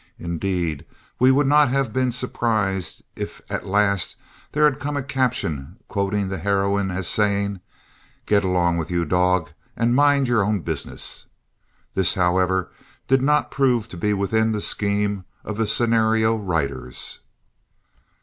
Indeed we would not have been surprised if at last there has come a caption quoting the heroine as saying: "Get along with you, dog, and mind your own business." This, however, did not prove to be within the scheme of the scenario writers.